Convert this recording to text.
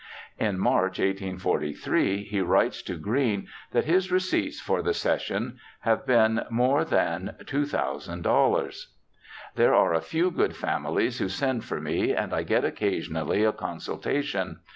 In March, 1843, he writes to Green that his receipts for the session have been more than $2,000. * There are a few good families who send for me, and I get occasionally a consultation.